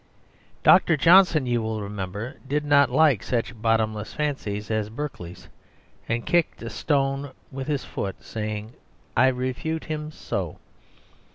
Dr. Johnson, you will remember, did not like such bottomless fancies as Berkeley's, and kicked a stone with his foot, saying, "I refute him so!"